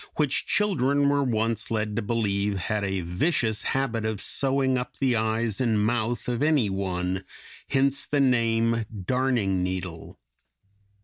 184), which children were once led to believe had a vicious habit of sewing up the eyes and mouth of any one; hence the name "darning needle."